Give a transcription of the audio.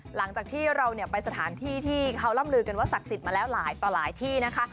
หลังจากที่เราไปสถานที่ที่เขาร่ำลือกันว่าศักดิ์สิทธิ์มาแล้วหลายต่อหลายที่นะคะ